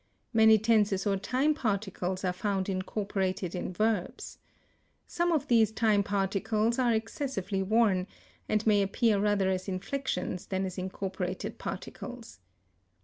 Many tenses or time particles are found incorporated in verbs. Some of these time particles are excessively worn, and may appear rather as inflections than as incorporated particles.